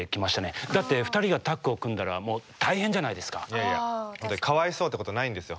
いやいやかわいそうってことないんですよ